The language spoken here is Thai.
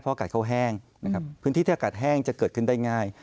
เพราะว่าอากาศเข้าแห้งพื้นที่ที่อากาศแห้งจะเกิดขึ้นได้ง่าย